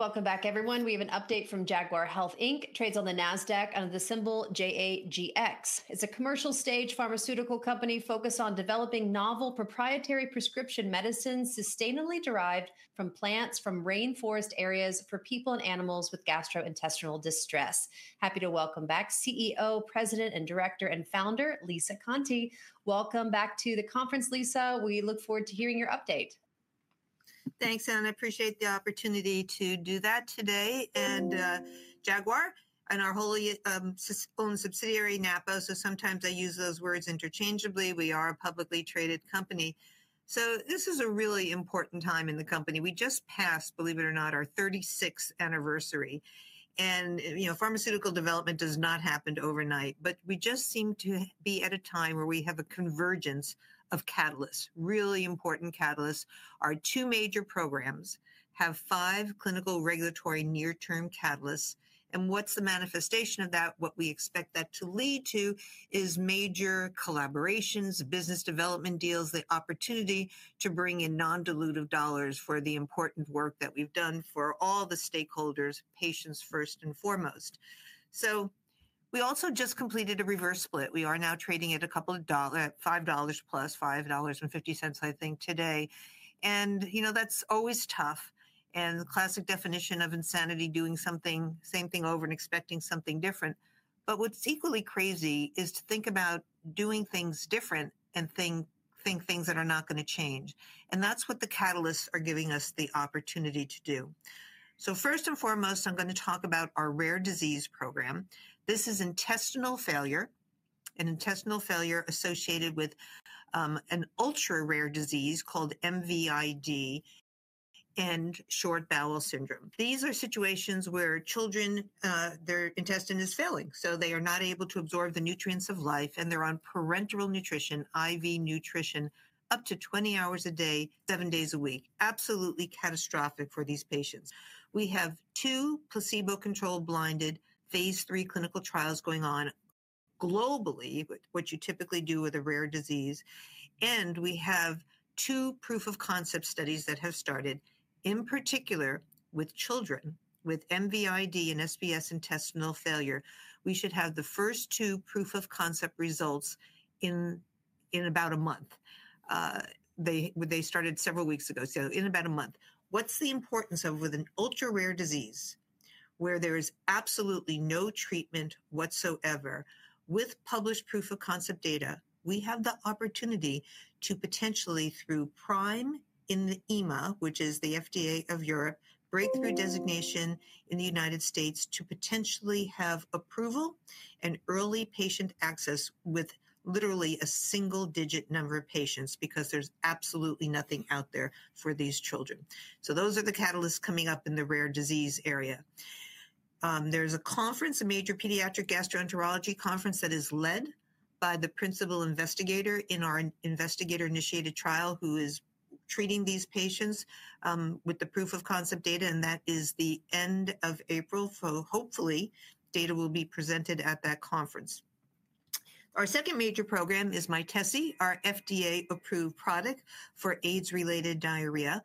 Welcome back, everyone. We have an update from Jaguar Health. Trades on the NASDAQ under the symbol JAGX. It's a commercial-stage pharmaceutical company focused on developing novel proprietary prescription medicines sustainably derived from plants from rainforest areas for people and animals with gastrointestinal distress. Happy to welcome back CEO, President, Director, and Founder Lisa Conte. Welcome back to the conference, Lisa. We look forward to hearing your update. Thanks, and I appreciate the opportunity to do that today. Jaguar and our wholly owned subsidiary, Napo, so sometimes I use those words interchangeably. We are a publicly traded company. This is a really important time in the company. We just passed, believe it or not, our 36th anniversary. You know, pharmaceutical development does not happen overnight, but we just seem to be at a time where we have a convergence of catalysts, really important catalysts. Our two major programs have five clinical regulatory near-term catalysts. What's the manifestation of that? What we expect that to lead to is major collaborations, business development deals, the opportunity to bring in non-dilutive dollars for the important work that we've done for all the stakeholders, patients first and foremost. We also just completed a reverse split. We are now trading at a couple of dollars, $5+, $5.50, I think, today. You know, that's always tough. The classic definition of insanity: doing something, same thing over, and expecting something different. What's equally crazy is to think about doing things different and think things that are not going to change. That's what the catalysts are giving us the opportunity to do. First and foremost, I'm going to talk about our rare disease program. This is intestinal failure, an intestinal failure associated with an ultra-rare disease called MVID and Short Bowel Syndrome. These are situations where children, their intestine is failing, so they are not able to absorb the nutrients of life, and they're on parenteral nutrition, IV nutrition, up to 20 hours a day, seven days a week. Absolutely catastrophic for these patients. We have two placebo-controlled, blinded phase III clinical trials going on globally, what you typically do with a rare disease. We have two proof of concept studies that have started, in particular with children with MVID and SBS intestinal failure. We should have the first two proof of concept results in about a month. They started several weeks ago, so in about a month. What's the importance of with an ultra-rare disease where there is absolutely no treatment whatsoever with published proof of concept data? We have the opportunity to potentially, through PRIME in the EMA, which is the FDA of Europe, breakthrough designation in the United States to potentially have approval and early patient access with literally a single-digit number of patients because there's absolutely nothing out there for these children. Those are the catalysts coming up in the rare disease area. There's a conference, a major Pediatric Gastroenterology Conference that is led by the principal investigator in our investigator-initiated trial who is treating these patients with the proof of concept data, and that is the end of April. Hopefully, data will be presented at that conference. Our second major program is MyTESY, our FDA-approved product for AIDS-related diarrhea.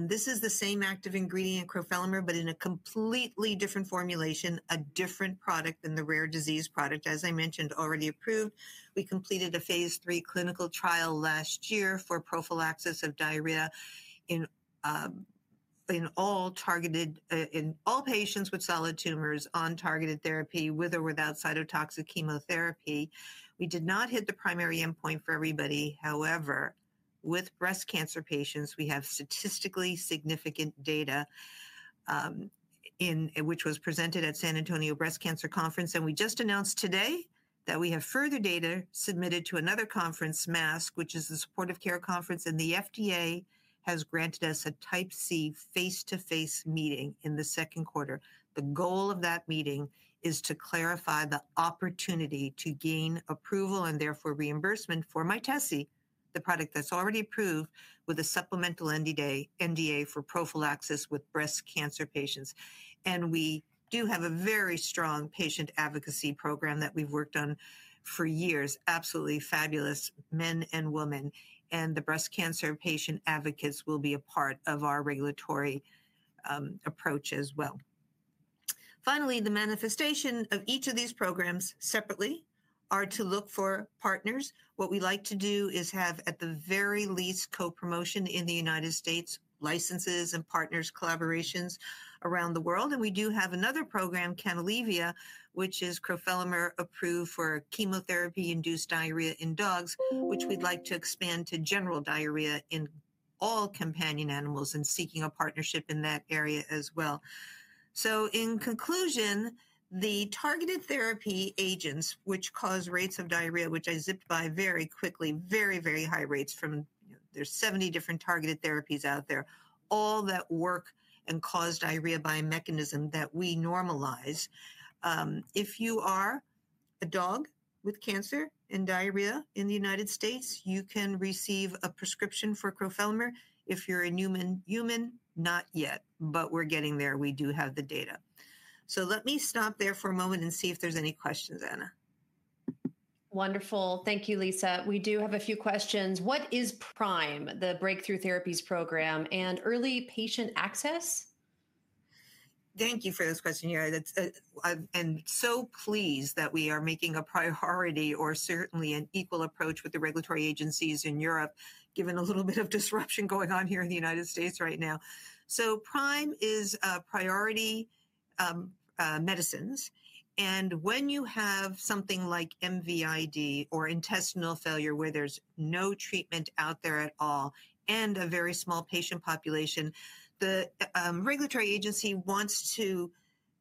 This is the same active ingredient, crofelemer, but in a completely different formulation, a different product than the rare disease product. As I mentioned, already approved. We completed a phase three clinical trial last year for prophylaxis of diarrhea in all patients with solid tumors on targeted therapy with or without cytotoxic chemotherapy. We did not hit the primary endpoint for everybody. However, with breast cancer patients, we have statistically significant data, which was presented at San Antonio Breast Cancer Conference. We just announced today that we have further data submitted to another conference, MASC, which is the supportive care conference, and the FDA has granted us a type C face-to-face meeting in the second quarter. The goal of that meeting is to clarify the opportunity to gain approval and therefore reimbursement for MyTESY, the product that's already approved with a supplemental NDA for prophylaxis with breast cancer patients. We do have a very strong patient advocacy program that we've worked on for years. Absolutely fabulous, men and women. The breast cancer patient advocates will be a part of our regulatory approach as well. Finally, the manifestation of each of these programs separately is to look for partners. What we like to do is have, at the very least, co-promotion in the United States, licenses and partners collaborations around the world. We do have another program, Canalevia, which is crofelemer approved for chemotherapy-induced diarrhea in dogs, which we'd like to expand to general diarrhea in all companion animals and seeking a partnership in that area as well. In conclusion, the targeted therapy agents, which cause rates of diarrhea, which I zipped by very quickly, very, very high rates from there are 70 different targeted therapies out there, all that work and cause diarrhea by a mechanism that we normalize. If you are a dog with cancer and diarrhea in the United States, you can receive a prescription for crofelemer. If you're a human, not yet, but we're getting there. We do have the data. Let me stop there for a moment and see if there's any questions, Anna. Wonderful. Thank you, Lisa. We do have a few questions. What is PRIME, the breakthrough therapies program, and early patient access? Thank you for this question, Yara. I am so pleased that we are making a priority or certainly an equal approach with the regulatory agencies in Europe, given a little bit of disruption going on here in the United States right now. PRIME is priority medicines. When you have something like MVID or intestinal failure where there is no treatment out there at all and a very small patient population, the regulatory agency wants to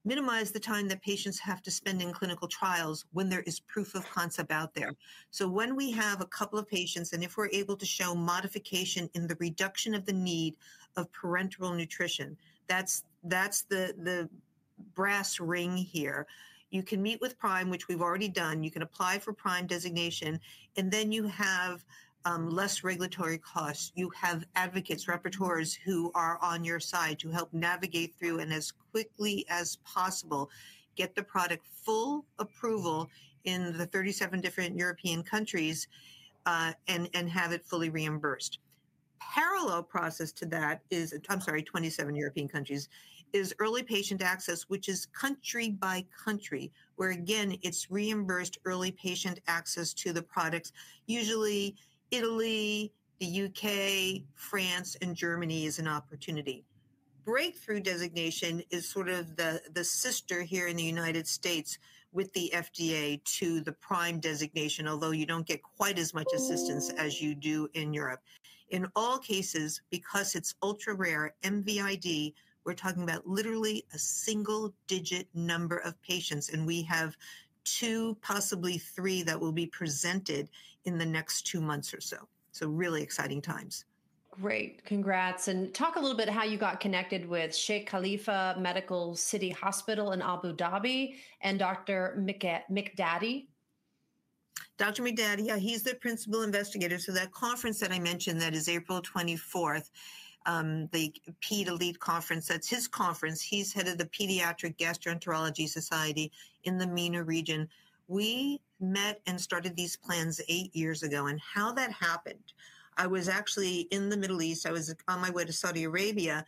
minimize the time that patients have to spend in clinical trials when there is proof of concept out there. When we have a couple of patients and if we are able to show modification in the reduction of the need of parenteral nutrition, that is the brass ring here. You can meet with PRIME, which we have already done. You can apply for PRIME designation, and then you have less regulatory costs. You have advocates, repertoires who are on your side to help navigate through and as quickly as possible get the product full approval in the 27 different European countries and have it fully reimbursed. Parallel process to that is early patient access, which is country by country, where again, it's reimbursed early patient access to the products. Usually, Italy, the U.K., France, and Germany is an opportunity. Breakthrough designation is sort of the sister here in the United States with the FDA to the PRIME designation, although you don't get quite as much assistance as you do in Europe. In all cases, because it's ultra-rare MVID, we're talking about literally a single-digit number of patients. And we have two, possibly three, that will be presented in the next two months or so. So really exciting times. Great. Congrats. Talk a little bit how you got connected with Sheikh Khalifa Medical City Hospital in Abu Dhabi and Dr. Miqdady. Dr. Miqdady, yeah, he's the principal investigator. That conference that I mentioned that is April 24, the Elite PED‑GI conference, that's his conference. He's head of the Pediatric Gastroenterology Society in the MENA region. We met and started these plans eight years ago. How that happened, I was actually in the Middle East. I was on my way to Saudi Arabia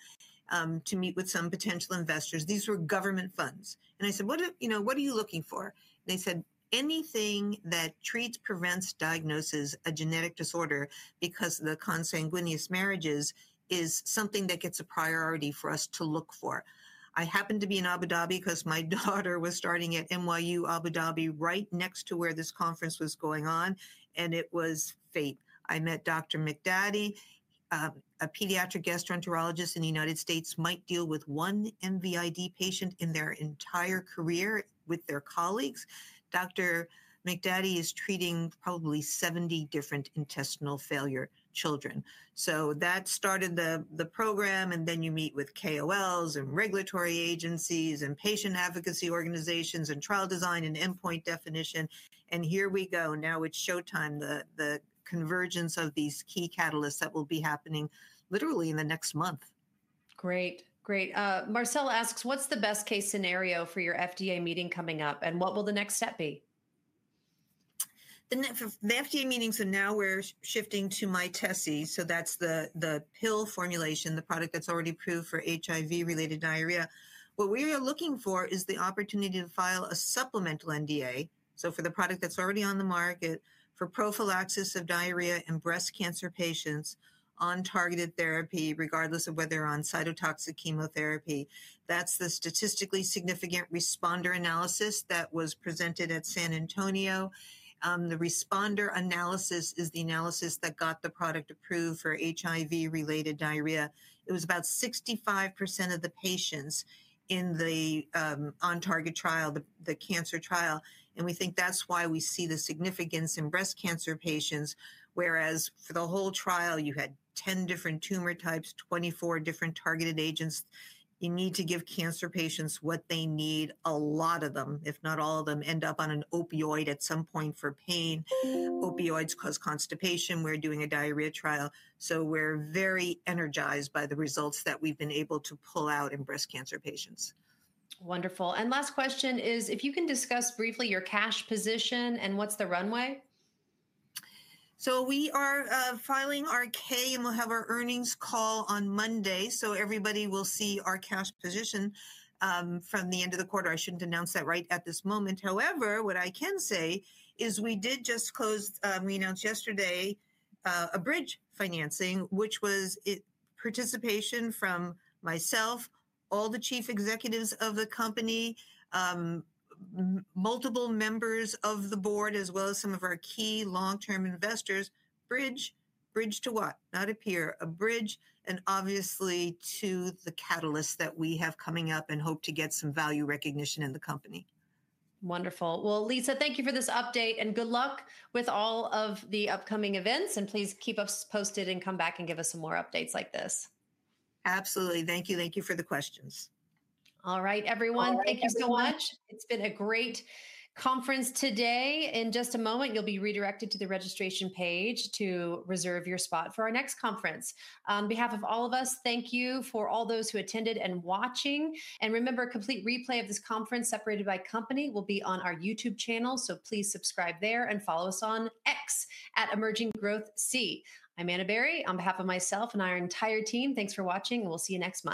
to meet with some potential investors. These were government funds. I said, "What are you looking for?" They said, "Anything that treats, prevents, diagnoses a genetic disorder because the consanguineous marriages is something that gets a priority for us to look for." I happened to be in Abu Dhabi because my daughter was starting at NYU Abu Dhabi right next to where this conference was going on. It was fate. I met Dr. Miqdady, a Pediatric Gastroenterologist in the United States might deal with one MVID patient in their entire career with their colleagues. Dr. Miqdady is treating probably 70 different intestinal failure children. That started the program, and you meet with KOLs and regulatory agencies and patient advocacy organizations and trial design and endpoint definition. Here we go. Now it's showtime, the convergence of these key catalysts that will be happening literally in the next month. Great. Great. Marcella asks, "What's the best-case scenario for your FDA meeting coming up, and what will the next step be? The FDA meetings are now, we're shifting to MyTESY. That's the pill formulation, the product that's already approved for HIV-related diarrhea. What we are looking for is the opportunity to file a supplemental NDA, for the product that's already on the market for prophylaxis of diarrhea in breast cancer patients on targeted therapy, regardless of whether they're on cytotoxic chemotherapy. That's the statistically significant responder analysis that was presented at San Antonio. The responder analysis is the analysis that got the product approved for HIV-related diarrhea. It was about 65% of the patients in the on-target trial, the cancer trial. We think that's why we see the significance in breast cancer patients, whereas for the whole trial, you had 10 different tumor types, 24 different targeted agents. You need to give cancer patients what they need. A lot of them, if not all of them, end up on an opioid at some point for pain. Opioids cause constipation. We're doing a diarrhea trial. We are very energized by the results that we've been able to pull out in breast cancer patients. Wonderful. Last question is, if you can discuss briefly your cash position and what's the runway? We are filing our K, and we'll have our earnings call on Monday. Everybody will see our cash position from the end of the quarter. I shouldn't announce that right at this moment. However, what I can say is we did just close, we announced yesterday a bridge financing, which was participation from myself, all the chief executives of the company, multiple members of the board, as well as some of our key long-term investors. Bridge, bridge to what? Not a pier, a bridge, and obviously to the catalysts that we have coming up and hope to get some value recognition in the company. Wonderful. Lisa, thank you for this update, and good luck with all of the upcoming events. Please keep us posted and come back and give us some more updates like this. Absolutely. Thank you. Thank you for the questions. All right, everyone, thank you so much. It's been a great conference today. In just a moment, you'll be redirected to the registration page to reserve your spot for our next conference. On behalf of all of us, thank you for all those who attended and watching. Remember, a complete replay of this conference separated by company will be on our YouTube channel. Please subscribe there and follow us on X @EmergingGrowthC. I'm Anna Berry on behalf of myself and our entire team. Thanks for watching, and we'll see you next month.